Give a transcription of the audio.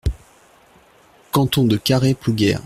Canton de Carhaix-Plouguer.